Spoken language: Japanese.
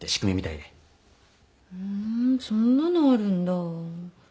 ふんそんなのあるんだ。